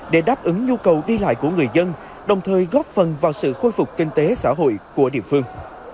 để đáp ứng nhu cầu đi lại của người dân đồng thời góp phần vào sự khôi phục kinh tế xã hội của địa phương